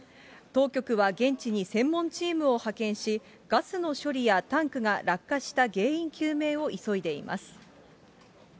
当局は現地に専門チームを派遣し、ガスの処理やタンクが落下した原因究明を急いでいます。